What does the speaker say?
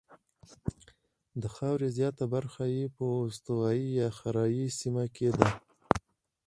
د خاورې زیاته برخه یې په استوایي یا حاره یې سیمه کې ده.